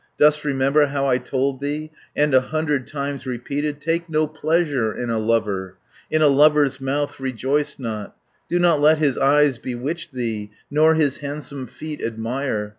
Dost remember, how I told thee, And a hundred times repeated, 190 Take no pleasure in a lover, In a lover's mouth rejoice not, Do not let his eyes bewitch thee, Nor his handsome feet admire?